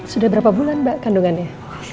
sudah berapa bulan mbak kandungannya